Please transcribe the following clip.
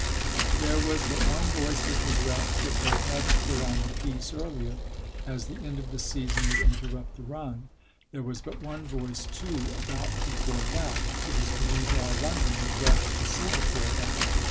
There was but one voice of regret that they hadn't put on the piece earlier, as the end of the season would interrupt the run. There was but one voice too about the fourth act it was believed all London would rush to see the fourth act.